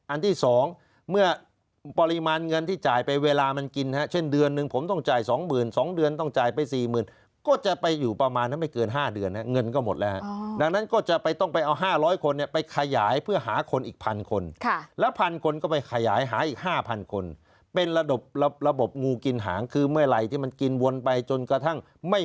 อันที่สองเมื่อปริมาณเงินที่จ่ายไปเวลามันกินเช่นเดือนหนึ่งผมต้องจ่ายสองหมื่นสองเดือนต้องจ่ายไปสี่หมื่นก็จะไปอยู่ประมาณไม่เกินห้าเดือนเงินก็หมดแล้วดังนั้นก็จะไปต้องไปเอาห้าร้อยคนไปขยายเพื่อหาคนอีกพันคนค่ะแล้วพันคนก็ไปขยายหาอีกห้าพันคนเป็นระดบระบบงูกินหางคือเมื่อไหร่ที่มันกินวนไปจนกระทั่งไม